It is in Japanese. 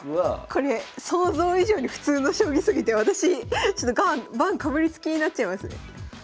これ想像以上に普通の将棋すぎて私ちょっと盤かぶりつきになっちゃいますね。